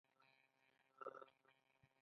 هر نسل خپل غږ راتلونکي ته رسوي.